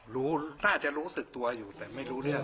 น่าจะรู้สึกตัวอยู่แต่ไม่รู้เรื่อง